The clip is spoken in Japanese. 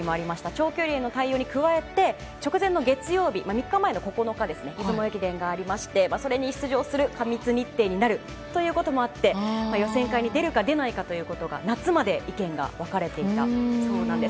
長距離の対応に加えて直前の月曜日、３日前の９日に出雲駅伝がありましてそれに出場する、過密日程になるということもあって予選会に出るか出ないかということが夏まで意見が分かれていたそうなんです。